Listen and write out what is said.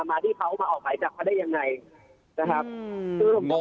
มาที่เขามาออกหมายจับเขาได้ยังไง